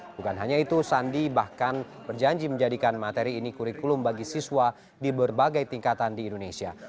bukan hanya itu sandi bahkan berjanji menjadikan materi ini kurikulum bagi siswa di berbagai tingkatan di indonesia